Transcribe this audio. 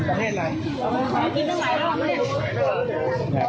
อ๋อมันกินตั้งแต่หลายรอบหรือเปลี่ยน